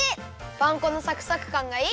パン粉のサクサクかんがいい！